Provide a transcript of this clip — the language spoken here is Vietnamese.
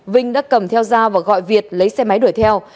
vinh đã cầm theo dao và gọi việt lấy xe máy đuổi theo